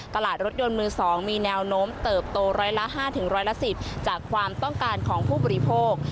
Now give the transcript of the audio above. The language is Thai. ตลาดรถยนต์มือ๒มีแนวโน้มเติบโตร้อยละ๕ร้อยละ๑๐จากความต้องการของผู้บริโภค